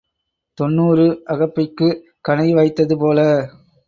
தொன்னூறு அகப்பைக்குக் கணை வாய்த்தது போல.